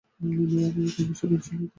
মেয়েরা যখন গোসল করছিল তখন উঁকি দিছে।